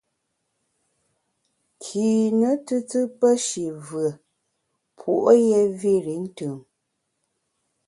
Kine tùtù pe shi vùe, puo’ yé vir i ntùm.